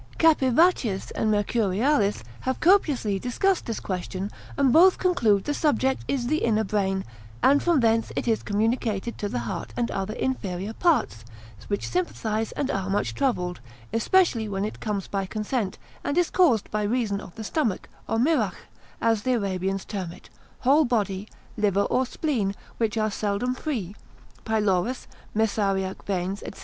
Capivaccius and Mercurialis have copiously discussed this question, and both conclude the subject is the inner brain, and from thence it is communicated to the heart and other inferior parts, which sympathise and are much troubled, especially when it comes by consent, and is caused by reason of the stomach, or mirach, as the Arabians term it, whole body, liver, or spleen, which are seldom free, pylorus, mesaraic veins, &c.